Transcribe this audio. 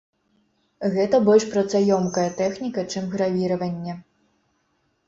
Гэта больш працаёмкая тэхніка, чым гравіраванне.